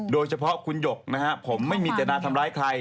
โดยเฉพาะคุณหยกนะฮะผมไม่มีเจตนาทำร้ายใคร